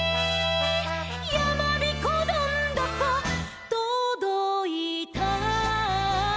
「やまびこどんどことどいた」